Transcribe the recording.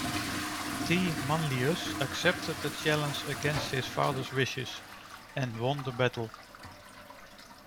T. Manlius accepted the challenge against his father's wishes and won the battle.